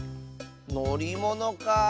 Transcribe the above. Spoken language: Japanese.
「のりもの」かあ。